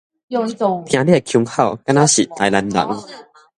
聽你的腔口敢若是臺南人